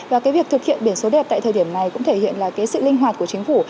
và việc thực hiện biển số đẹp tại thời điểm này cũng thể hiện sự linh hoạt của chính phủ